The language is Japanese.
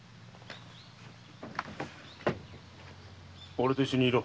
俺と一緒にいろ。